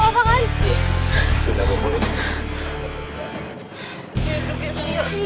suntik duduk di sana yuk